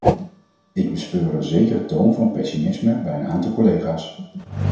Ik bespeur een zekere toon van pessimisme bij een aantal collega's.